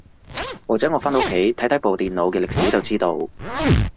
或者我返到屋企睇睇部電腦嘅歷史就知道